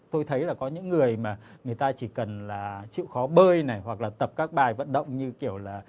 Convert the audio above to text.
tôi thấy là có những người mà người ta chỉ cần là chịu khó bơi này hoặc là tập các bài vận động như kiểu là